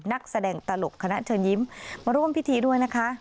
นักแสดงตลกคณะเชิญยิ้มมาร่วมพิธีด้วยนะคะ